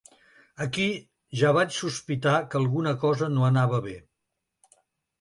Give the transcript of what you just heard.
Aquí ja vaig sospitar que alguna cosa no anava bé.